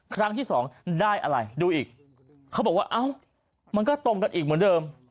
ครั้งที่สองได้อะไรดูอีกเขาบอกว่าเอ้ามันก็ตรงกันอีกเหมือนเดิม